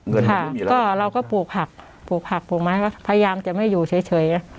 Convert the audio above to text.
ก็เราก็ปลูกผักปลูกผักปลูกไม้ก็พยายามจะไม่อยู่เฉย